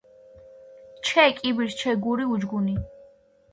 ჩე კიბირს ჩე გური უჯგუნი